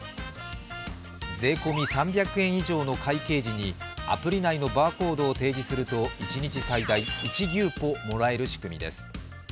税込み３００円以上の会計時にアプリ内のバーコードを提示すると一日最大１牛ポもらえる仕組みです